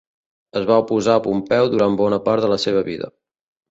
Es va oposar a Pompeu durant bona part de la seva vida.